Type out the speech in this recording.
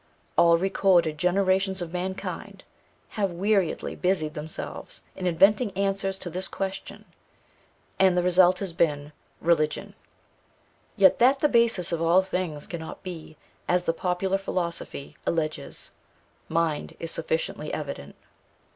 All recorded generations of mankind have weariedly busied themselves in inventing answers to this question; and the result has been, Religion. Yet, that the basis of all things cannot be, as the popular philosophy alleges, mind, is sufficiently evident.